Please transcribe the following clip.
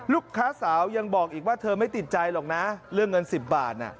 ลูกสาวยังบอกอีกว่าเธอไม่ติดใจหรอกนะเรื่องเงิน๑๐บาท